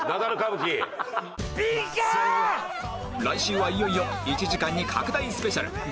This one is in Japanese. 来週はいよいよ１時間に拡大スペシャル